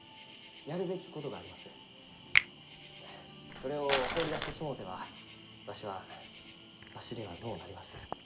それを放り出してしもうてはわしはわしではのうなります。